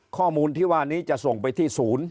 ข้อมูลที่ว่านี้จะส่งไปที่ศูนย์